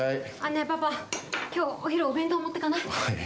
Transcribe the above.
パパ、今日お昼お弁当持っていかない？